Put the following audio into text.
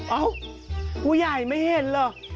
เอ้าผู้ใหญ่ไม่เห็นเหรอ